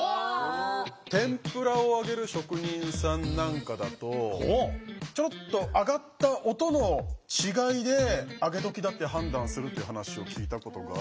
天ぷらを揚げる職人さんなんかだとちょろっと揚がった音の違いであげどきだって判断するっていう話を聞いたことがあって。